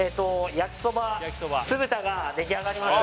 ヤキソバ酢豚が出来上がりました